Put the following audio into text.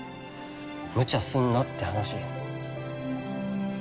むちゃすんなって話。